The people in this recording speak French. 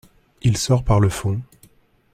Il sort par le fond.